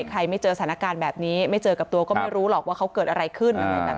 ไม่เจอสถานการณ์แบบนี้ไม่เจอกับตัวก็ไม่รู้หรอกว่าเขาเกิดอะไรขึ้นอะไรแบบนี้